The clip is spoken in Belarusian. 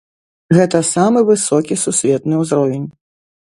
Гэта самы высокі сусветны ўзровень.